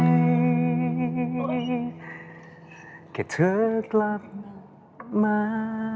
ให้เกลือเจอกลับมา